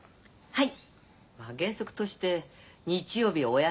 はい。